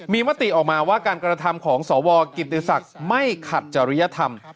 มีมติออกมาว่าการกระทำของสวกิติศักดิ์ไม่ขัดจริยธรรม